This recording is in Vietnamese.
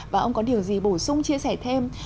và ông có điều gì bổ sung chia sẻ thêm